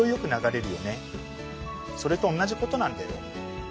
それとおんなじことなんだよ。